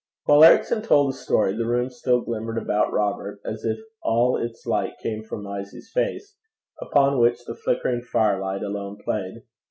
While Ericson told the story the room still glimmered about Robert as if all its light came from Mysie's face, upon which the flickering firelight alone played.